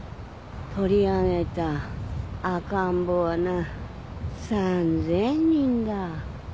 取り上げた赤ん坊はな３，０００人だ。